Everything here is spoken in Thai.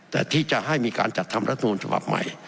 แต่ที่จะให้มีการจัดทำรัฐมนูลฉบับใหม่